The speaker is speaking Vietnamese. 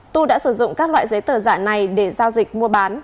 tu đã sử dụng các loại giấy tờ giả này để giao dịch mua bán